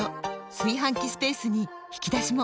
炊飯器スペースに引き出しも！